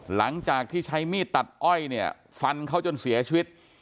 หลังจากที่ใช้มีดตัดอ้อยเนี่ยฟันเขาจนเสียชีวิต